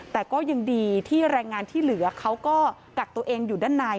แต่ก็ยังดีที่แรงงานที่เหลือเขาก็กักตัวเองอยู่ด้านใน